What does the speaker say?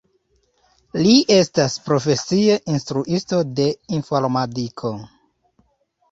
Li estas profesie instruisto de informadiko.